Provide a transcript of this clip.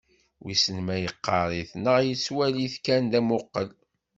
Wisen ma yeqqar-it neɣ yettwali-t kan d amuqel.